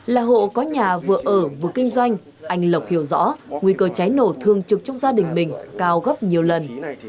là hộ có nhà vừa ở vừa kinh doanh anh lộc hiểu rõ nguy cơ cháy nổ thường trực trong gia đình mình cao gấp nhiều lần